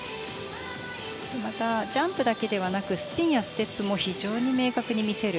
またジャンプだけでなくスピンやステップも非常に明確に見せる。